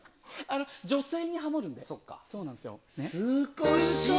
女性にハモるんです。